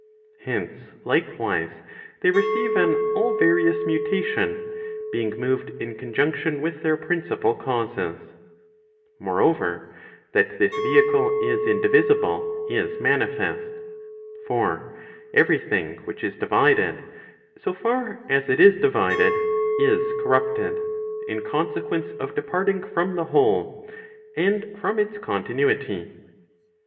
Hence, likewise, they receive an all various mutation, being moved in conjunction with their principal causes. Moreover, that this vehicle is indivisible, is manifest. For every thing which is divided, so far as it is divided, is corrupted, in consequence of departing from the whole, and from its continuity.